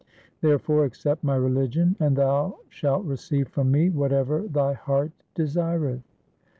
Therefore accept my religion, and thou shalt receive from me whatever thy heart desireth.'